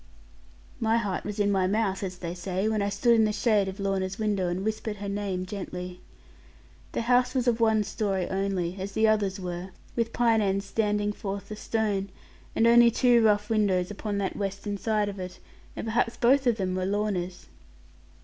My heart was in my mouth, as they say, when I stood in the shade by Lorna's window, and whispered her name gently. The house was of one story only, as the others were, with pine ends standing forth the stone, and only two rough windows upon that western side of it, and perhaps both of them were Lorna's.